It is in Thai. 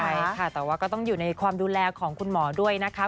ใช่ค่ะแต่ว่าก็ต้องอยู่ในความดูแลของคุณหมอด้วยนะคะ